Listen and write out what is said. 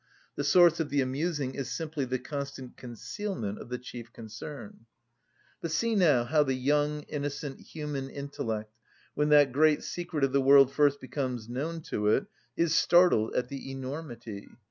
The source of the amusing is simply the constant concealment of the chief concern. But see now how the young, innocent, human intellect, when that great secret of the world first becomes known to it, is startled at the enormity!